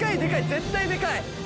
絶対でかい！